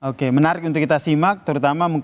oke menarik untuk kita simak terutama